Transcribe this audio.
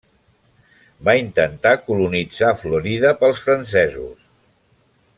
Va intentar colonitzar Florida pels francesos.